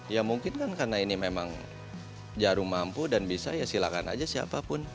ya mungkin kan karena ini memang jarum mampu dan bisa ya silakan aja siapapun